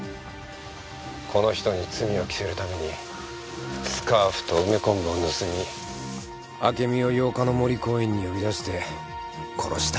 この人に罪を着せるためにスカーフと梅昆布を盗み暁美を八日の森公園に呼び出して殺した。